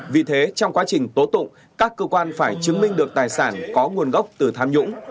vì thế trong quá trình tố tụng các cơ quan phải chứng minh được tài sản có nguồn gốc từ tham nhũng